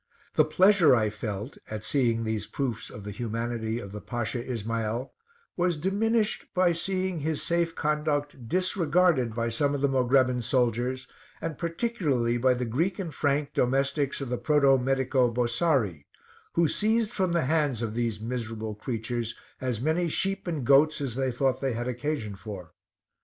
The pleasure I felt at seeing these proofs of the humanity of the Pasha Ismael was diminished by seeing his safe conduct disregarded by some of the Mogrebin soldiers, and particularly by the Greek and Frank domestics of the Proto Medico Bosari, who seized from the hands of these miserable creatures as many sheep and goats as they thought they had occasion for.